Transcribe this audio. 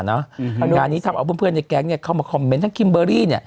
งานนี้ทำเอาเพื่อนในแก๊งเข้ามาคอมเมนต์ทั้งคิมเบอร์รี่